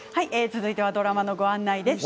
続いてドラマのご案内です。